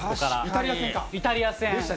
イタリア戦か。